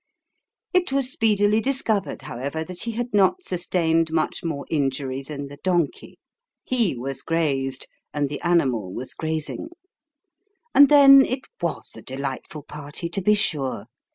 It was speedily discovered, however, that he had not sustained much more injury than the donkey he was grazed, and the animal was grazing and then it icas a delightful party to be sure